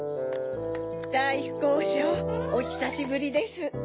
だいふくおしょうおひさしぶりです。